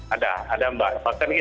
ada ada mbak